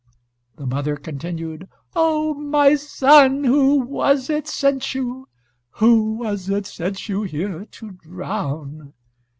The mother continued: "O my son, who was it sent you; who was it sent you here, to drown?"